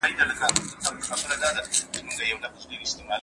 پښتون د هر وګړي د ازادۍ او حق غوښتونکی دی.